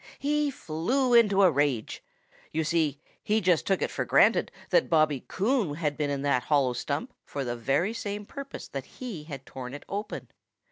He flew into a rage. You see, he just took it for granted that Bobby Coon had been in that hollow stump for the very same purpose that he had torn it open.